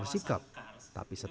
mereka juga menolak pabrik semen